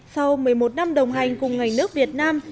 sau một mươi một năm đồng hành cùng ngành nước việt nam